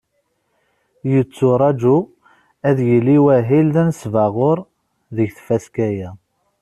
Yetturaǧu, ad yili wahil d anesbaɣur deg tfaska-a.